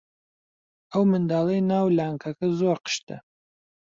ئەو منداڵەی ناو لانکەکە زۆر قشتە.